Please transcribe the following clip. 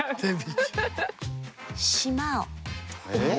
えっ？